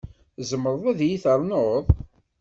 Tzemreḍ ad iyi ternuḍ?